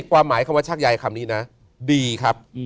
ความหมายชักยายคำนี้นะดีครับ